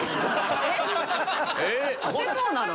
えっ当てそうなの？